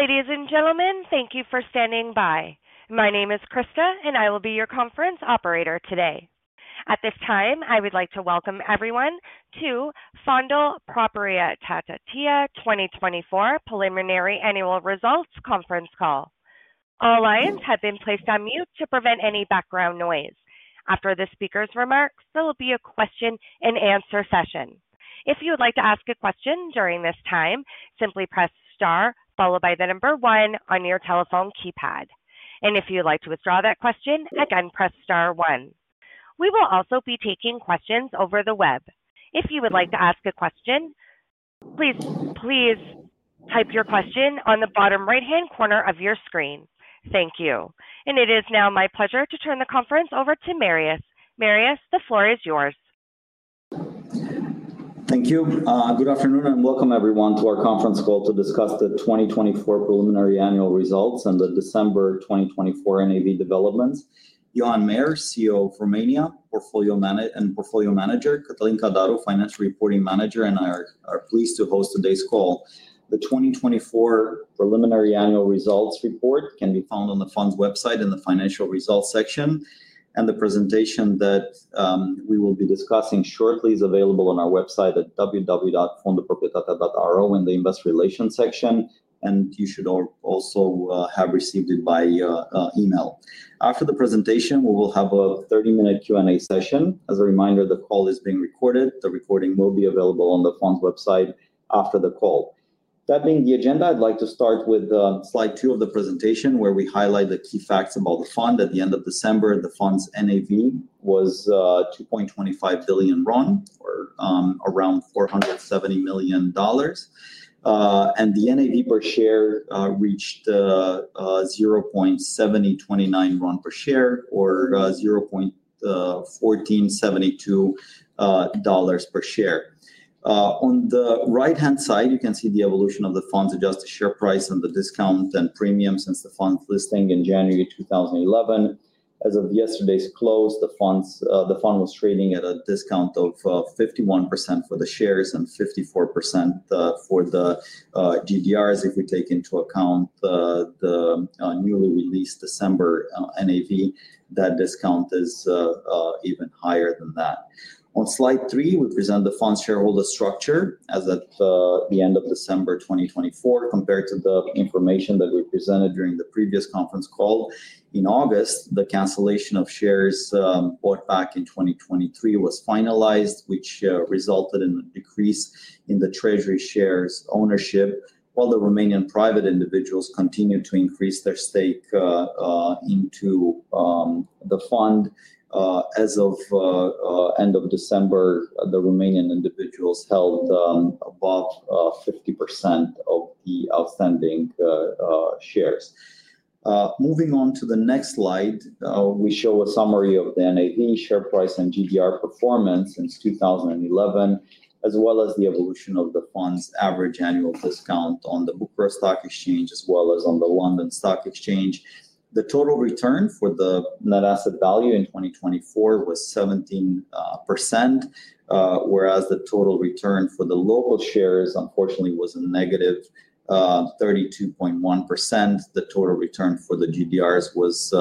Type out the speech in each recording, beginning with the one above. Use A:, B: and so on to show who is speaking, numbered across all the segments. A: Ladies and gentlemen, thank you for standing by. My name is Krista, and I will be your conference operator today. At this time, I would like to welcome everyone to Fondul Proprietatea 2024 Preliminary Annual results conference call. All lines have been placed on mute to prevent any background noise. After the speaker's remarks, there will be a question-and-answer session. If you would like to ask a question during this time, simply press star followed by the number one on your telephone keypad. And if you would like to withdraw that question, again, press star one. We will also be taking questions over the web. If you would like to ask a question, please, please type your question on the bottom right-hand corner of your screen. Thank you. And it is now my pleasure to turn the conference over to Marius. Marius, the floor is yours.
B: Thank you. Good afternoon and welcome, everyone, to our conference call to discuss the 2024 Preliminary Annual results and the December 2024 NAV developments. Johan Meyer, CEO of Romania and portfolio manager, Catalin Cadaru, Financial Reporting Manager, and I are pleased to host today's call. The 2024 Preliminary Annual Results report can be found on the fund's website in the financial results section, and the presentation that we will be discussing shortly is available on our website at www.fondulproprietatea.ro in the Investor Relations section. You should also have received it by email. After the presentation, we will have a 30-minute Q&A session. As a reminder, the call is being recorded. The recording will be available on the fund's website after the call. That being the agenda, I'd like to start with slide two of the presentation where we highlight the key facts about the fund. At the end of December, the fund's NAV was RON 2.25 billion, or around $470 million. The NAV per share reached RON 0.7029 per share, or $0.1472 per share. On the right-hand side, you can see the evolution of the fund's adjusted share price and the discount and premium since the fund's listing in January 2011. As of yesterday's close, the fund was trading at a discount of 51% for the shares and 54% for the GDRs. If we take into account the newly released December NAV, that discount is even higher than that. On slide three, we present the fund's shareholder structure as at the end of December 2024 compared to the information that we presented during the previous conference call. In August, the cancellation of shares bought back in 2023 was finalized, which resulted in a decrease in the treasury shares' ownership, while the Romanian private individuals continued to increase their stake into the fund. As of the end of December, the Romanian individuals held above 50% of the outstanding shares. Moving on to the next slide, we show a summary of the NAV, share price, and GDR performance since 2011, as well as the evolution of the fund's average annual discount on the Bucharest Stock Exchange as well as on the London Stock Exchange. The total return for the net asset value in 2024 was 17%, whereas the total return for the local shares, unfortunately, was a -32.1%. The total return for the GDRs was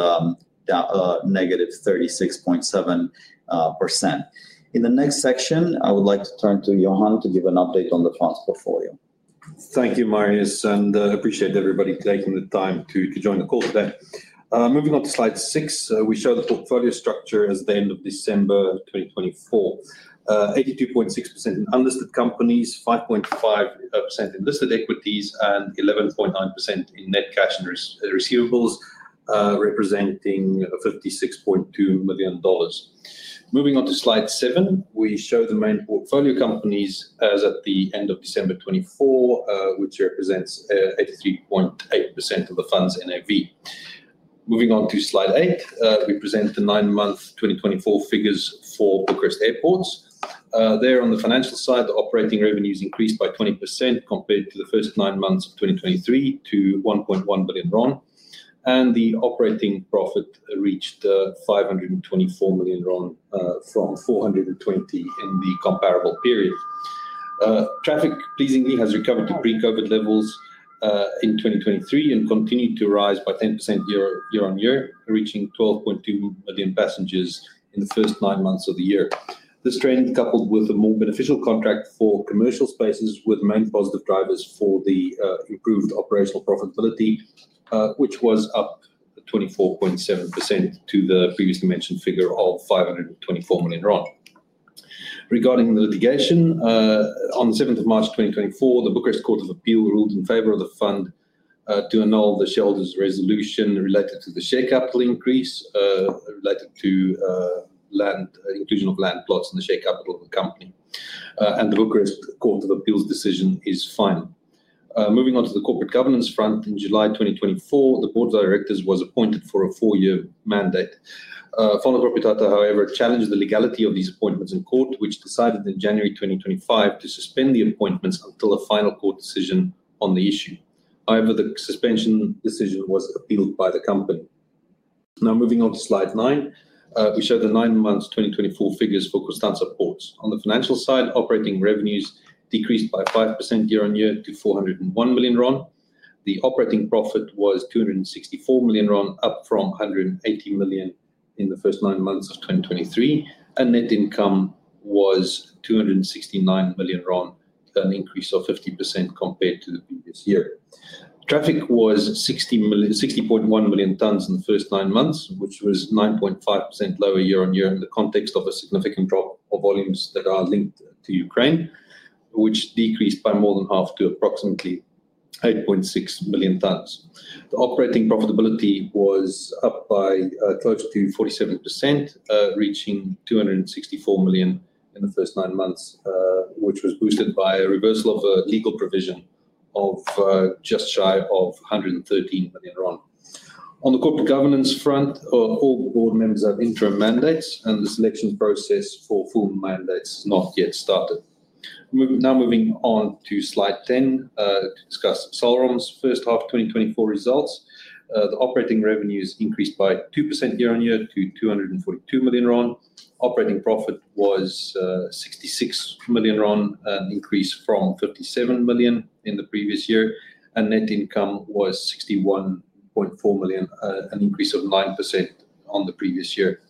B: -36.7%. In the next section, I would like to turn to Johan to give an update on the fund's portfolio.
C: Thank you, Marius, and appreciate everybody taking the time to join the call today. Moving on to slide six, we show the portfolio structure as at the end of December 2024: 82.6% in unlisted companies, 5.5% in listed equities, and 11.9% in net cash and receivables, representing $56.2 million. Moving on to slide seven, we show the main portfolio companies as at the end of December 2024, which represents 83.8% of the fund's NAV. Moving on to slide eight, we present the nine-month 2024 figures for Bucharest Airports. There, on the financial side, the operating revenues increased by 20% compared to the first nine months of 2023 to RON 1.1 billion, and the operating profit reached RON 524 million from RON 420 million in the comparable period. Traffic, pleasingly, has recovered to pre-COVID levels in 2023 and continued to rise by 10% year-on-year, reaching 12.2 million passengers in the first nine months of the year. This trend, coupled with a more beneficial contract for commercial spaces, was the main positive drivers for the improved operational profitability, which was up 24.7% to the previously mentioned figure of RON 524 million. Regarding the litigation, on 7th March 2024, the Bucharest Court of Appeal ruled in favor of the fund to annul the shareholders' resolution related to the share capital increase related to the inclusion of land plots in the share capital of the company, and the Bucharest Court of Appeal's decision is final. Moving on to the corporate governance front, in July 2024, the board of directors was appointed for a four-year mandate. Fondul Proprietatea, however, challenged the legality of these appointments in court, which decided in January 2025 to suspend the appointments until a final court decision on the issue. However, the suspension decision was appealed by the company. Now, moving on to slide nine, we show the nine-month 2024 figures for Constanța Ports. On the financial side, operating revenues decreased by 5% year-on-year to RON 401 million. The operating profit was RON 264 million, up from RON 180 million in the first nine months of 2023. And net income was RON 269 million, an increase of 50% compared to the previous year. Traffic was 60.1 million tons in the first nine months, which was 9.5% lower year-on-year in the context of a significant drop of volumes that are linked to Ukraine, which decreased by more than half to approximately 8.6 million tons. The operating profitability was up by close to 47%, reaching RON 264 million in the first nine months, which was boosted by a reversal of a legal provision of just shy of RON 113 million. On the corporate governance front, all board members have interim mandates, and the selection process for full mandates has not yet started. Now, moving on to slide 10 to discuss Salrom's first half 2024 results. The operating revenues increased by 2% year-on-year to RON 242 million. Operating profit was RON 66 million, an increase from RON 57 million in the previous year, and net income was RON 61.4 million, an increase of 9% on the previous year.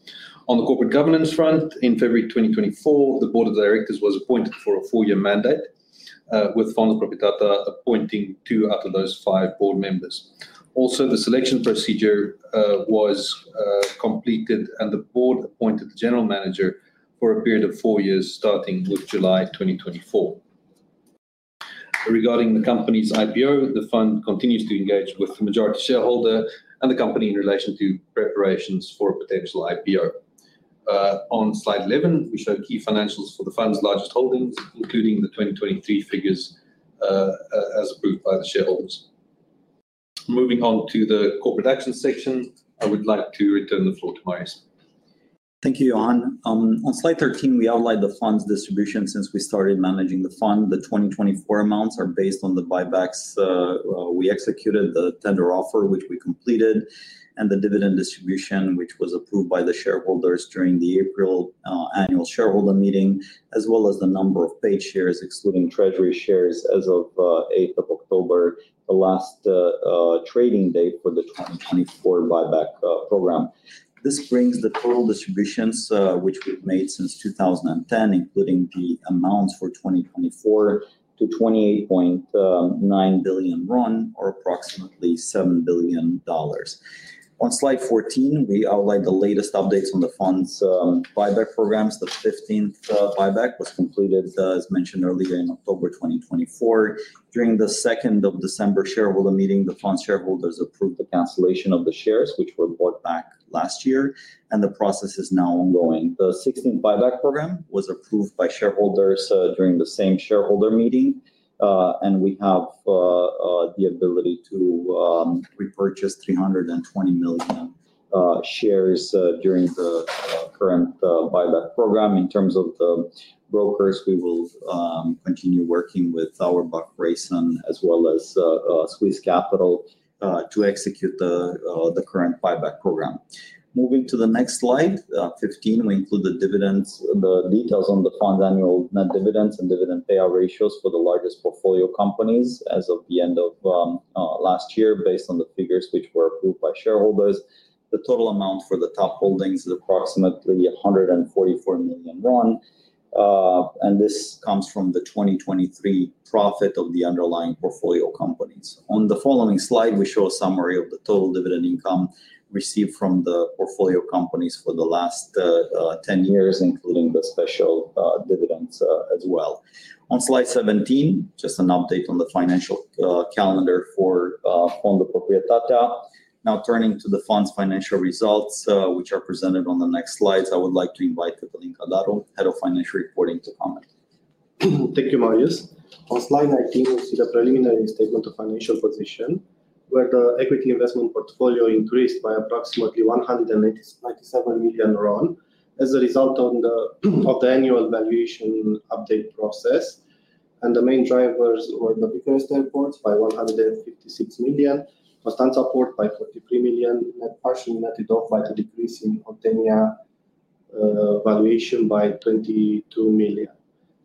C: On the corporate governance front, in February 2024, the board of directors was appointed for a four-year mandate, with Fondul Proprietatea appointing two out of those five board members. Also, the selection procedure was completed, and the board appointed the general manager for a period of four years, starting with July 2024. Regarding the company's IPO, the fund continues to engage with the majority shareholder and the company in relation to preparations for a potential IPO. On slide 11, we show key financials for the fund's largest holdings, including the 2023 figures as approved by the shareholders. Moving on to the corporate action section, I would like to return the floor to Marius.
B: Thank you, Johan. On slide 13, we outlined the fund's distribution since we started managing the fund. The 2024 amounts are based on the buybacks we executed, the tender offer, which we completed, and the dividend distribution, which was approved by the shareholders during the April annual shareholder meeting, as well as the number of paid shares, excluding treasury shares, as of 8th of October, the last trading date for the 2024 buyback program. This brings the total distributions, which we've made since 2010, including the amounts for 2024, to RON 28.9 billion, or approximately $7 billion. On slide 14, we outlined the latest updates on the fund's buyback programs. The 15th buyback was completed, as mentioned earlier, in October 2024. During the 2nd of December shareholder meeting, the fund's shareholders approved the cancellation of the shares, which were bought back last year, and the process is now ongoing. The 16th buyback program was approved by shareholders during the same shareholder meeting, and we have the ability to repurchase 320 million shares during the current buyback program. In terms of the brokers, we will continue working with Auerbach Grayson, as well as Swiss Capital to execute the current buyback program. Moving to the next slide, 15, we include the details on the fund's annual net dividends and dividend payout ratios for the largest portfolio companies as of the end of last year, based on the figures which were approved by shareholders. The total amount for the top holdings is approximately RON 144 million, and this comes from the 2023 profit of the underlying portfolio companies. On the following slide, we show a summary of the total dividend income received from the portfolio companies for the last 10 years, including the special dividends as well. On slide 17, just an update on the financial calendar for Fondul Proprietatea. Now, turning to the fund's financial results, which are presented on the next slides, I would like to invite Catalin Cadaru, Head of Financial Reporting, to comment.
D: Thank you, Marius. On slide 19, we see the preliminary statement of financial position, where the equity investment portfolio increased by approximately RON 197 million as a result of the annual valuation update process. The main drivers were the Bucharest Airports by RON 156 million, Constanța Port by RON 43 million, partially netted off by the decrease in Oltenia valuation by RON 22 million.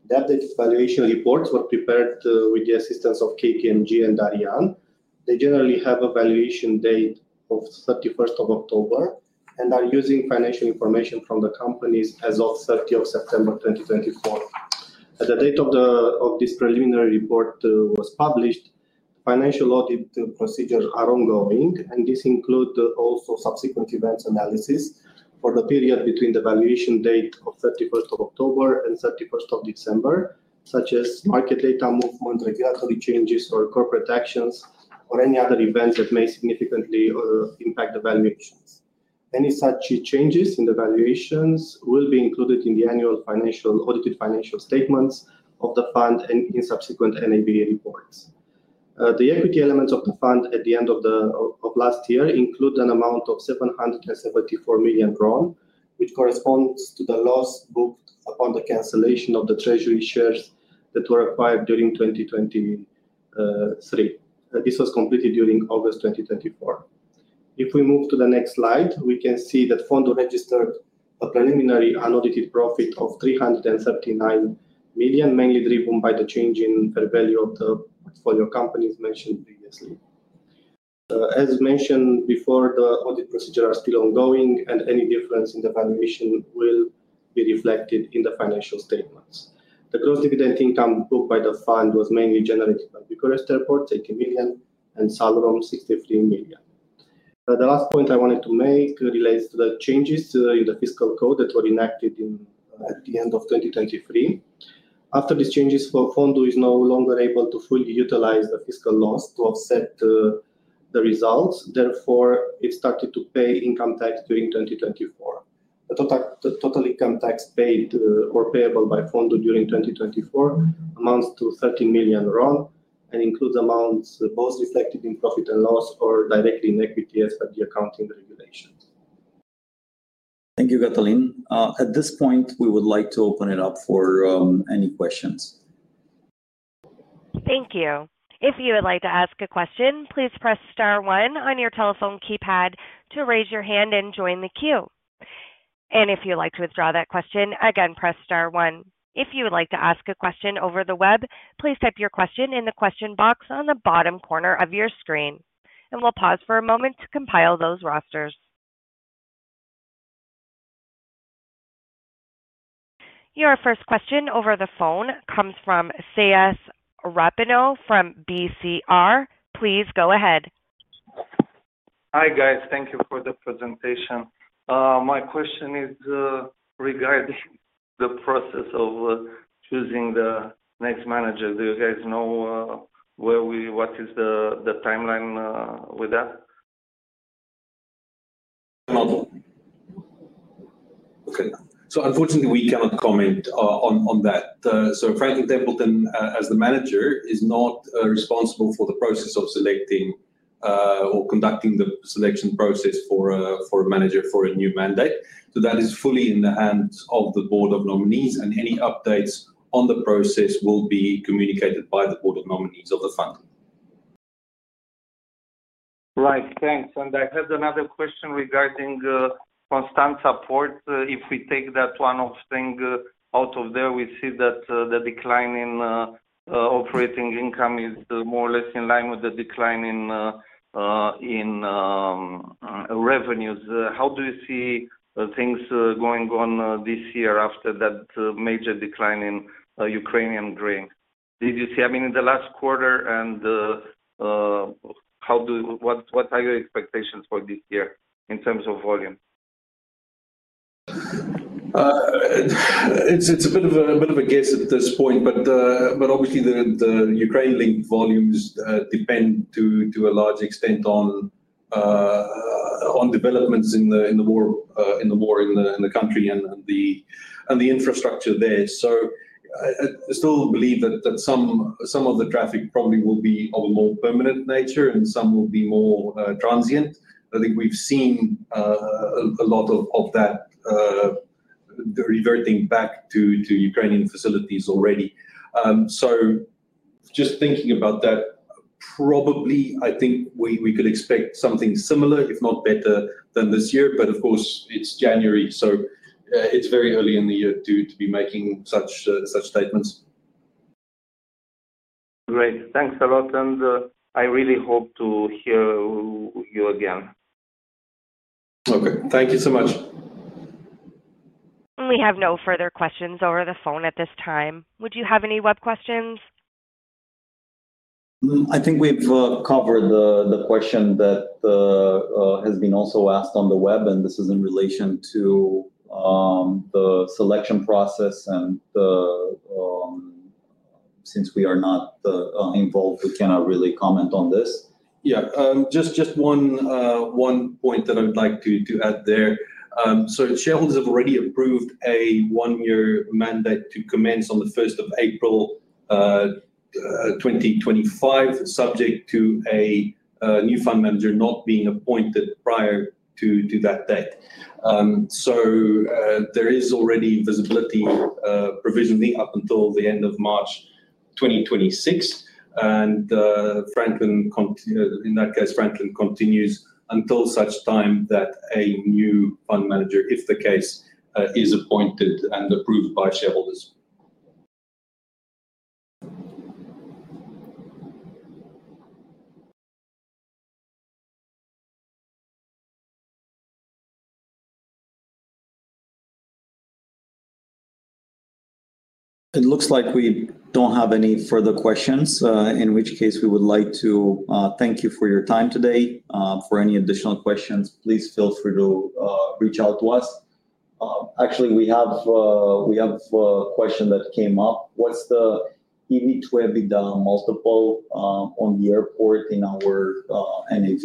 D: The updated valuation reports were prepared with the assistance of KPMG and Darian DRS. They generally have a valuation date of 31st of October and are using financial information from the companies as of 30 of September 2024. At the date of this preliminary report was published, financial audit procedures are ongoing, and this includes also subsequent events analysis for the period between the valuation date of 31st of October and 31st of December, such as market data movement, regulatory changes, or corporate actions, or any other events that may significantly impact the valuations. Any such changes in the valuations will be included in the annual financial audited financial statements of the fund and in subsequent NAV reports. The equity elements of the fund at the end of last year include an amount of RON 774 million, which corresponds to the loss booked upon the cancellation of the treasury shares that were acquired during 2023. This was completed during August 2024. If we move to the next slide, we can see that Fondul registered a preliminary unaudited profit of RON 339 million, mainly driven by the change in fair value of the portfolio companies mentioned previously. As mentioned before, the audit procedures are still ongoing, and any difference in the valuation will be reflected in the financial statements. The gross dividend income booked by the fund was mainly generated by Bucharest Airports, RON 80 million, and Salrom, RON 63 million. The last point I wanted to make relates to the changes in the fiscal code that were enacted at the end of 2023. After these changes, Fondul is no longer able to fully utilize the fiscal loss to offset the results. Therefore, it started to pay income tax during 2024. The total income tax paid or payable by Fondul during 2024 amounts to RON 30 million and includes amounts both reflected in profit and loss or directly in equity as per the accounting regulations.
B: Thank you, Catalin. At this point, we would like to open it up for any questions.
A: Thank you. If you would like to ask a question, please press star one on your telephone keypad to raise your hand and join the queue. And if you'd like to withdraw that question, again, press star one. If you would like to ask a question over the web, please type your question in the question box on the bottom corner of your screen. And we'll pause for a moment to compile those rosters. Your first question over the phone comes from Caius Rapanu from BCR. Please go ahead.
E: Hi, guys. Thank you for the presentation. My question is regarding the process of choosing the next manager. Do you guys know what is the timeline with that?
C: Okay. So unfortunately, we cannot comment on that. So Franklin Templeton, as the manager, is not responsible for the process of selecting or conducting the selection process for a manager for a new mandate. So that is fully in the hands of the board of nominees, and any updates on the process will be communicated by the board of nominees of the fund.
E: Right. Thanks. And I had another question regarding Constanța Ports. If we take that one off thing out of there, we see that the decline in operating income is more or less in line with the decline in revenues. How do you see things going on this year after that major decline in Ukrainian grain? Did you see, I mean, in the last quarter, and what are your expectations for this year in terms of volume?
D: It's a bit of a guess at this point, but obviously, the Ukraine-linked volumes depend to a large extent on developments in the war in the country and the infrastructure there. So I still believe that some of the traffic probably will be of a more permanent nature, and some will be more transient. I think we've seen a lot of that reverting back to Ukrainian facilities already. So just thinking about that, probably, I think we could expect something similar, if not better, than this year. But of course, it's January, so it's very early in the year to be making such statements.
E: Great. Thanks a lot, and I really hope to hear you again.
B: Okay. Thank you so much.
A: We have no further questions over the phone at this time. Would you have any web questions?
B: I think we've covered the question that has been also asked on the web, and this is in relation to the selection process. And since we are not involved, we cannot really comment on this.
C: Yeah. Just one point that I'd like to add there. So shareholders have already approved a one-year mandate to commence on the 1st of April 2025, subject to a new fund manager not being appointed prior to that date. So there is already visibility provisionally up until the end of March 2026. And in that case, Franklin continues until such time that a new fund manager, if the case, is appointed and approved by shareholders.
B: It looks like we don't have any further questions, in which case we would like to thank you for your time today. For any additional questions, please feel free to reach out to us. Actually, we have a question that came up. What's the EV/EBITDA multiple on the airport in our NAV,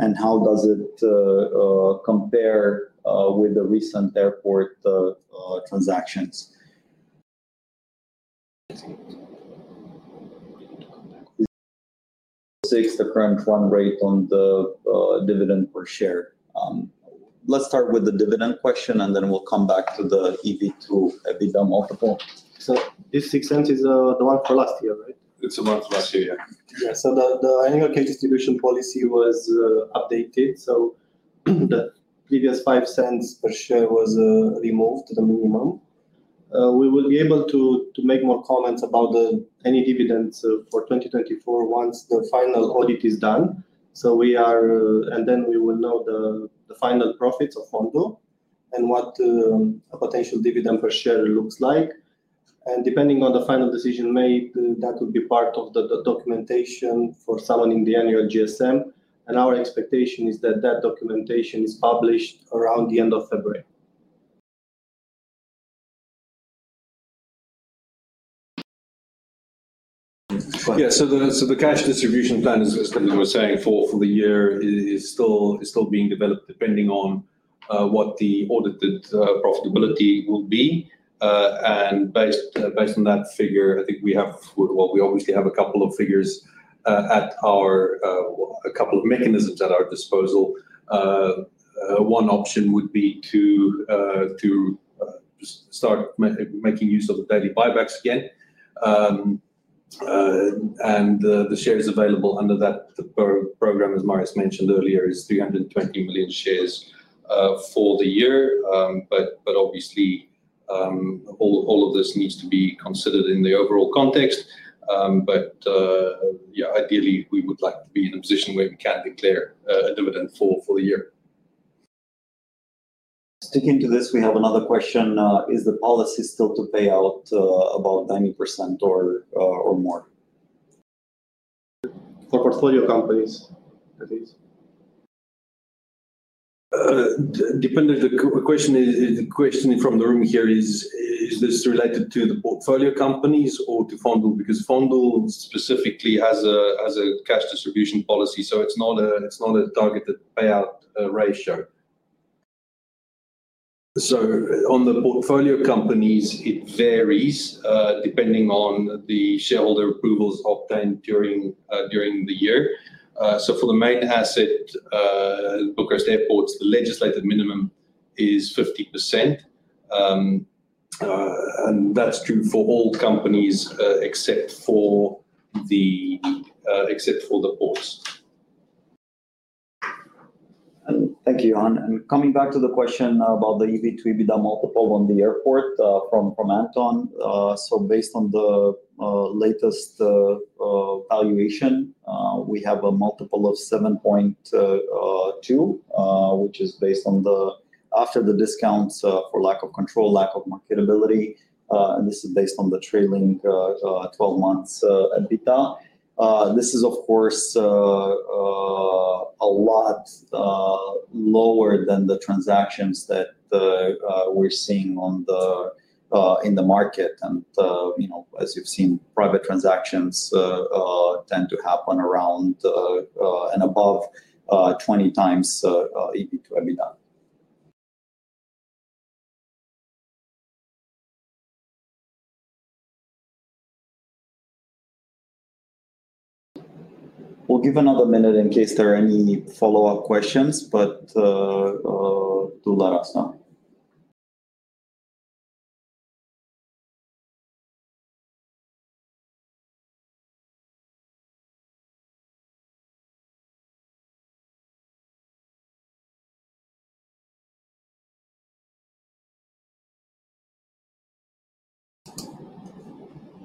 B: and how does it compare with the recent airport transactions? Six, the current run rate on the dividend per share.
C: Let's start with the dividend question, and then we'll come back to the EV/EBITDA multiple.
D: So this $0.06 is the one for last year, right?
C: It's the one for last year, yeah.
D: Yeah, so the annual cash distribution policy was updated, so the previous $0.05 per share was removed, the minimum. We will be able to make more comments about any dividends for 2024 once the final audit is done, and then we will know the final profits of Fondul and what a potential dividend per share looks like, and depending on the final decision made, that would be part of the documentation for summoning the annual GSM, and our expectation is that that documentation is published around the end of February.
C: Yeah, so the cash distribution plan, as Catalin was saying, for the year is still being developed depending on what the audited profitability will be, and based on that figure, I think we have, well, we obviously have a couple of figures at our, a couple of mechanisms at our disposal. One option would be to start making use of the daily buybacks again. And the shares available under that program, as Marius mentioned earlier, is 320 million shares for the year. But obviously, all of this needs to be considered in the overall context. But ideally, we would like to be in a position where we can declare a dividend for the year.
B: Sticking to this, we have another question. Is the policy still to pay out about 90% or more?
D: For portfolio companies, that is?
B: The question from the room here is, is this related to the portfolio companies or to Fondul? Because Fondul specifically has a cash distribution policy, so it's not a targeted payout ratio.
C: So on the portfolio companies, it varies depending on the shareholder approvals obtained during the year. So for the main asset, Bucharest Airports, the legislated minimum is 50%. And that's true for all companies except for the ports.
B: Thank you, Johan. Coming back to the question about the EV/EBITDA multiple on the airport from Anton, so based on the latest valuation, we have a multiple of 7.2, which is based on the after the discounts for lack of control, lack of marketability. And this is based on the trailing 12 months EBITDA. This is, of course, a lot lower than the transactions that we're seeing in the market. And as you've seen, private transactions tend to happen around and above 20 times EV/EBITDA. We'll give another minute in case there are any follow-up questions, but do let us know.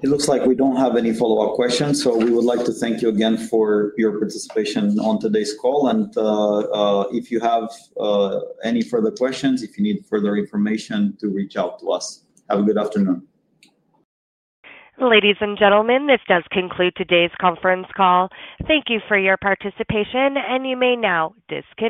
B: It looks like we don't have any follow-up questions, so we would like to thank you again for your participation on today's call. And if you have any further questions, if you need further information, to reach out to us. Have a good afternoon.
A: Ladies and gentlemen, this does conclude today's conference call. Thank you for your participation, and you may now disconnect.